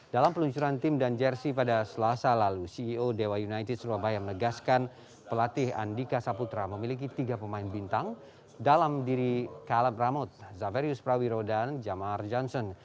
dalam peluncuran tim dan jersi pada selasa lalu ceo dewa united surabaya menegaskan pelatih andika saputra memiliki tiga pemain bintang dalam diri caleb ramod zaverius prawiro dan jamar johnson